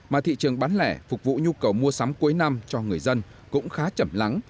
mà thị trường bán lẻ phục vụ nhu cầu mua sắm cuối năm cho người dân cũng khá chẩm lắng